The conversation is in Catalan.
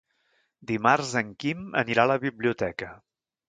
Dimarts en Quim anirà a la biblioteca.